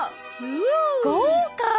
豪華！